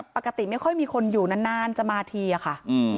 ไม่ค่อยมีคนอยู่นานจะมาทีอะค่ะ